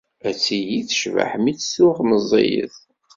Ad tili tecbeḥ mi tt-tuɣ d meẓẓiyet.